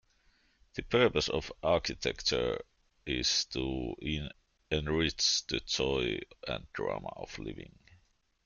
The purpose of architecture is to enrich the joy and drama of living.